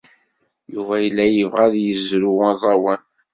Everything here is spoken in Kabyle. Yuba yella yebɣa ad yezrew aẓawan.